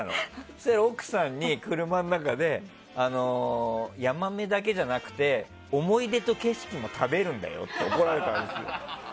そうしたら奥さんに、車の中でヤマメだけじゃなくて思い出と景色も食べるんだよって怒られたんですよ。